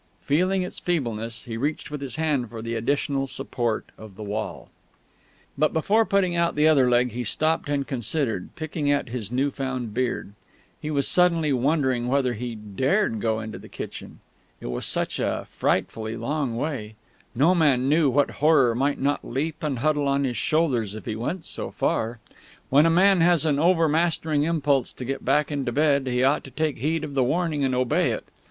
Feeling its feebleness, he reached with his hand for the additional support of the wall.... But before putting out the other leg he stopped and considered, picking at his new found beard. He was suddenly wondering whether he dared go into the kitchen. It was such a frightfully long way; no man knew what horror might not leap and huddle on his shoulders if he went so far; when a man has an overmastering impulse to get back into bed he ought to take heed of the warning and obey it.